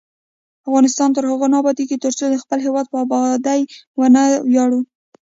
افغانستان تر هغو نه ابادیږي، ترڅو د خپل هیواد په ابادۍ ونه ویاړو.